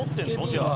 じゃあ。